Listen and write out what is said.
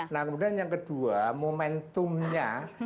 nah kemudian yang kedua momentumnya